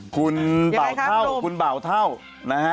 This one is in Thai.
คุณเบาเท่าคุณเบาเท่านะฮะ